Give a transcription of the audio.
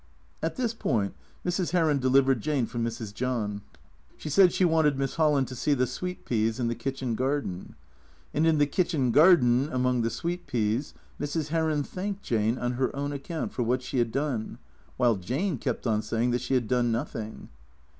At this point Mrs. Heron delivered Jane from Mrs. John. She said she wanted Miss Holland to see the sweet peas in the kitchen garden. And in the kitchen garden, among the sweet peas, Mrs. Heron thanked Jane on her own account for what she had done, while Jane kept on saying that she had done nothing.